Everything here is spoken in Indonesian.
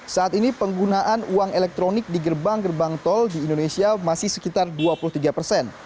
saat ini penggunaan uang elektronik di gerbang gerbang tol di indonesia masih sekitar dua puluh tiga persen